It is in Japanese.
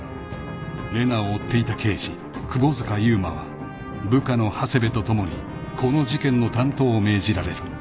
［玲奈を追っていた刑事窪塚悠馬は部下の長谷部と共にこの事件の担当を命じられる］